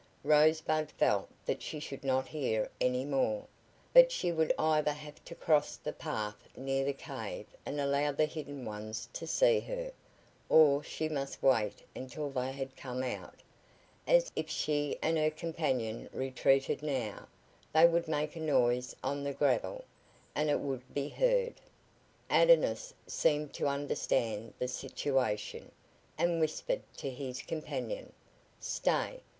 Rosebud felt that she should not hear any more, but she would either have to cross the path near the cave and allow the hidden ones to see her, or she must wait until they had come out, as, if she and her companion retreated now, they would make a noise on the gravel, and it would be heard. Adonis seemed to understand the situation, and whispered to his companion: "Stay.